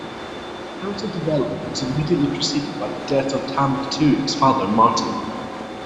This narrative development was immediately preceded by the death of Tom Batiuk's father, Martin.